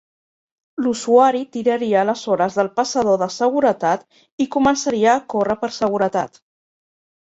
L'usuari tiraria aleshores del passador de seguretat i començaria a córrer per seguretat.